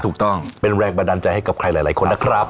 ถูกต้องเป็นแรงบันดาลใจให้กับใครหลายคนนะครับ